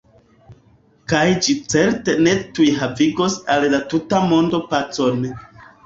Kaj ĝi certe ne tuj havigos al la tuta mondo pacon.